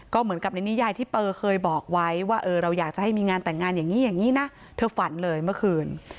ก็เหมือนกับในนิยายที่เปอร์เคยบอกไว้ว่าเราอยากจะให้มีงานแต่งงานอย่างนี้อย่างนี้นะเธอฝันเลยเมื่อคืน